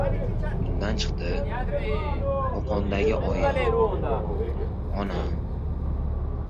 Bundan chiqdi... Qo‘qondagi oyim... Onam...